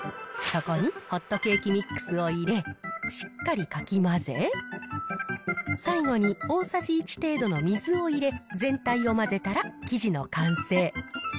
そこにホットケーキミックスを入れ、しっかりかき混ぜ、最後に大さじ１程度の水を入れ、全体を混ぜたら生地の完成。